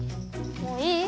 もういい？